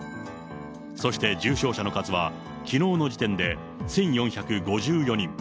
そして重症者の数は、きのうの時点で１４５４人。